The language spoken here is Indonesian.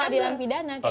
kalau hukumnya tidak ada